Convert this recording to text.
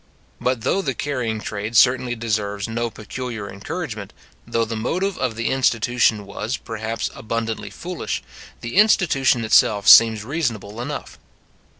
But though the carrying trade certainly deserves no peculiar encouragement, though the motive of the institution was, perhaps, abundantly foolish, the institution itself seems reasonable enough.